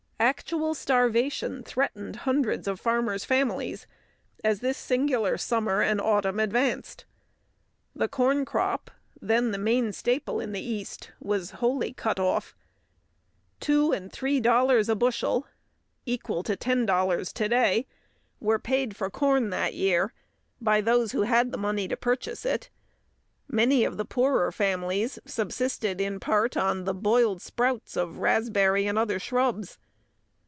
Actual starvation threatened hundreds of farmers' families as this singular summer and autumn advanced. The corn crop, then the main staple in the East, was wholly cut off. Two and three dollars a bushel equal to ten dollars to day were paid for corn that year by those who had the money to purchase it. Many of the poorer families subsisted in part on the boiled sprouts of raspberry and other shrubs.